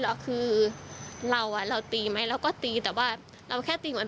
แล้วคือเราอ่ะเราตีไหมเราก็ตีแต่ว่าเราแค่ตีเหมือน